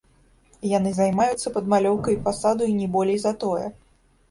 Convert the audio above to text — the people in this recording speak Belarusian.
Яны займаюцца падмалёўкай фасаду і не болей за тое.